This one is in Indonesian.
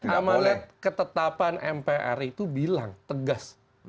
amalet ketetapan mpri itu bilang tegas